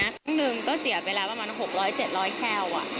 ครั้งหนึ่งก็เสียไปแล้วประมาณ๖๐๐๗๐๐แค้ว